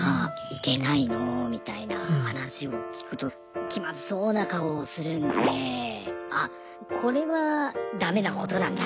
行けないの？みたいな話を聞くと気まずそうな顔をするんであっこれはダメなことなんだなっていうふうに。